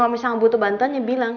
kalau misalnya butuh bantuan ya bilang